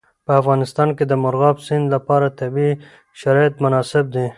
په افغانستان کې د مورغاب سیند لپاره طبیعي شرایط مناسب دي.